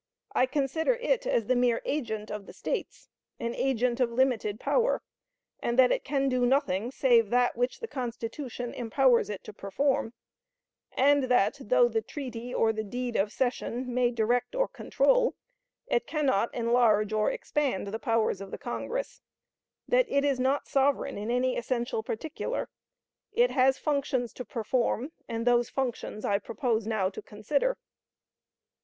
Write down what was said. I consider it as the mere agent of the States an agent of limited power; and that it can do nothing save that which the Constitution empowers it to perform; and that, though the treaty or the deed of cession may direct or control, it can not enlarge or expand the powers of the Congress; that it is not sovereign in any essential particular. It has functions to perform, and those functions I propose now to consider.